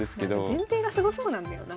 前提がすごそうなんだよな。